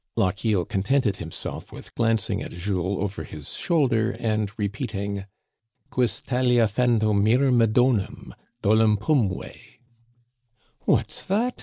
Lochiel contented himself with glancing at Jules over his shoulder and repeating :"' Quis talia fando Myrmidonum, Dolopumve '—"" What's that